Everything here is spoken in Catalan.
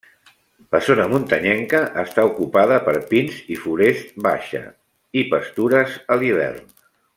La zona muntanyenca està ocupada per pins i forest baixa, i pastures a l'hivern.